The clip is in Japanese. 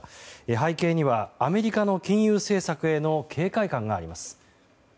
背景にはアメリカの金融政策への警戒感があります。